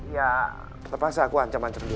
ya tetep aja aku ancam ancep dia